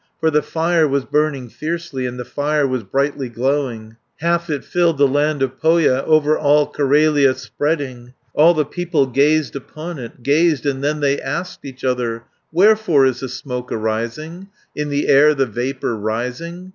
For the fire was burning fiercely, And the fire was brightly glowing, 450 Half it filled the land of Pohja, Over all Carelia spreading. All the people gazed upon it, Gazed, and then they asked each other, "Wherefore is the smoke arising, In the air the vapour rising?